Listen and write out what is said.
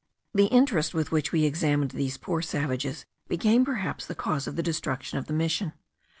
The interest with which we examined these poor savages became perhaps the cause of the destruction of the mission.